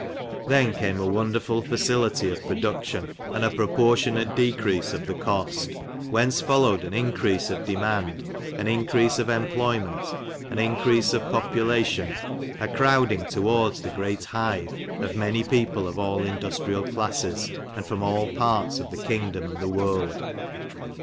Then came a wonderful facility of production, and a proportionate decrease of the cost, whence followed an increase of demand, an increase of employment, an increase of population, a crowding towards the great hive, of many people of all industrial classes, and from all parts of the king dom and the world.